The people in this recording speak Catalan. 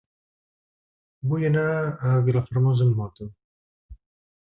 Vull anar a Vilafermosa amb moto.